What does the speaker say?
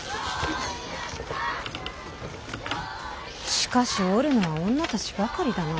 しかしおるのは女たちばかりだな。